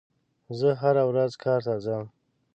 زه هره ورځ کار ته ځم.